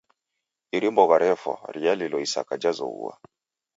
iri mbogha refwa rialilo isaka jazoghua.